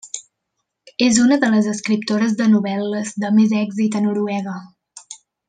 És una de les escriptores de novel·les de més èxit a Noruega.